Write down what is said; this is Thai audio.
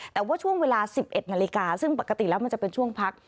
แต่ว่าช่วงเวลา๑๑นาฬิกาซึ่งปกติแล้วมันจะเป็นช่วงพัก